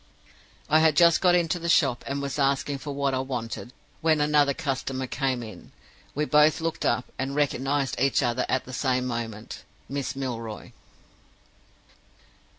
"I had just got into the shop, and was asking for what I wanted, when another customer came in. We both looked up, and recognized each other at the same moment: Miss Milroy.